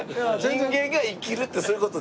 人間が生きるってそういう事ですよ。